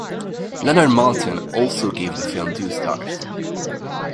Leonard Maltin also gave the film two stars.